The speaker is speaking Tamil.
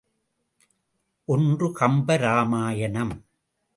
ஒன்று கம்ப ராமாயணம்.